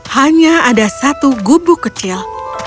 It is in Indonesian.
hanya ada satu gubuk kecil